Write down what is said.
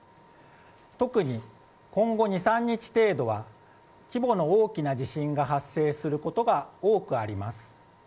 特に今後２３日程度は規模の大きい地震が発生することが多くあります。